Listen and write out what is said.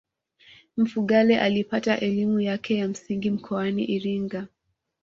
mfugale alipata elimu yake ya msingi mkoani iringa